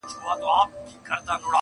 اوس به كومه تورپېكۍ پر بولدك ورسي-